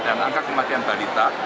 dan angka kematian wanita